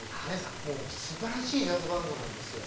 もうすばらしいジャズバンドなんですよ。